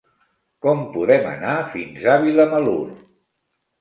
Com podem anar fins a Vilamalur?